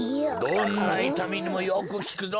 どんないたみにもよくきくぞ。